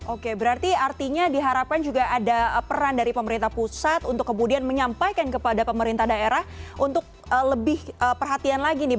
oke berarti artinya diharapkan juga ada peran dari pemerintah pusat untuk kemudian menyampaikan kepada pemerintah daerah untuk lebih perhatian lagi nih